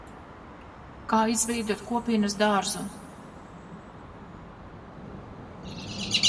Kā izveidot kopienas dārzu?